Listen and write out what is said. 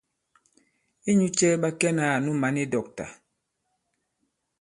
Inyū cɛ̄ ɓa kɛnā ànu mǎn i dɔ̂kta ?